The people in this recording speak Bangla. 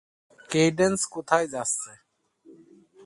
কেইডেন্স, কোথায় যাচ্ছো?